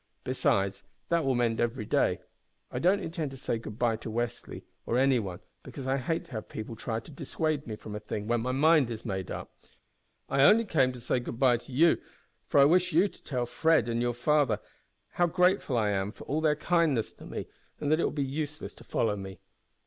Besides, that will mend every day. I don't intend to say goodbye to Westly or any one, because I hate to have people try to dissuade me from a thing when my mind is made up. I only came to say good bye to you, because I wish you to tell Fred and your father that I am grateful for all their kindness to me, and that it will be useless to follow me.